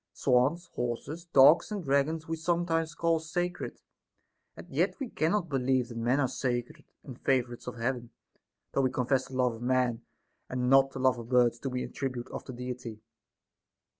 Swans, horses, dogs, and dragons we sometimes call sacred ; and yet we cannot believe that men are sacred and favorites of Heaven, though Ave confess the love of man and not the love of birds to be an attribute of the Deity.